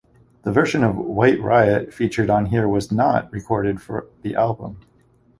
The version of "White Riot" featured on here was not recorded for the album.